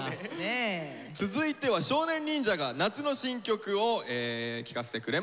続いては少年忍者が夏の新曲を聴かせてくれます。